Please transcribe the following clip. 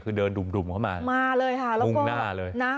คือเดินดุ่มเข้ามามาเลยค่ะแล้วมุ่งหน้าเลยนะ